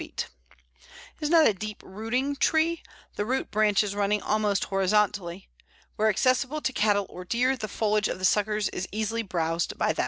It is not a deep rooting tree, the root branches running almost horizontally. Where accessible to cattle or deer, the foliage of the suckers is eagerly browsed by them.